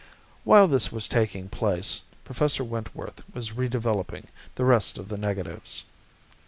While this was taking place, Professor Wentworth was re developing the rest of the negatives.